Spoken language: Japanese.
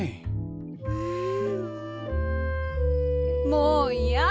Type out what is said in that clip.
もういや！